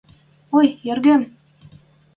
Ой, эргем!